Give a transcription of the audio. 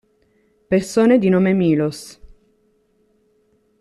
Persone di nome Miloš